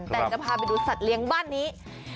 แต่จะพาไปดูสัตว์เลี้ยงบ้านนี้